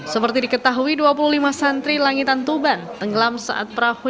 seperti diketahui dua puluh lima santri langitan tuban tenggelam saat perahu